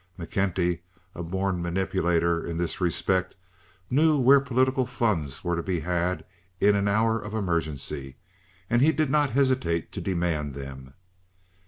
McKenty—a born manipulator in this respect—knew where political funds were to be had in an hour of emergency, and he did not hesitate to demand them.